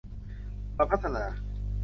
มาพัฒนา